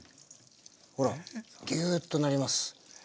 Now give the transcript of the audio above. ほらギューッとなります。